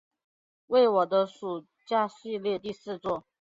为我的暑假系列第四作。